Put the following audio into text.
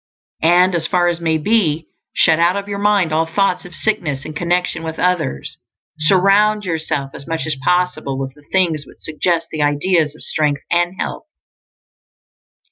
And, as far as may be, shut out of your mind all thoughts of sickness in connection with others. Surround yourself as much as possible with the things which suggest the ideas of strength and health.